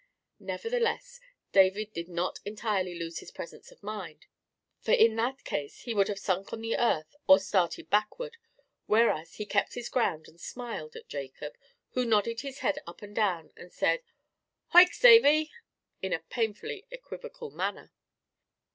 Nevertheless, David did not entirely lose his presence of mind; for in that case he would have sunk on the earth or started backward; whereas he kept his ground and smiled at Jacob, who nodded his head up and down, and said, "Hoich, Zavy!" in a painfully equivocal manner.